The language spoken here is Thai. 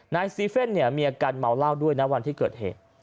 ซีเฟ่นเนี่ยมีอาการเมาเหล้าด้วยนะวันที่เกิดเหตุ